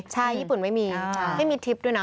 ใช่ญี่ปุ่นไม่มีไม่มีทริปด้วยนะ